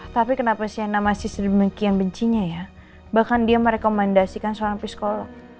tapi kenapa siana masih sedemikian bencinya ya bahkan dia merekomendasikan seorang psikolog